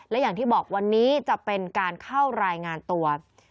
และอย่างที่บอกวันนี้จะเป็นการเข้ารายงานตัว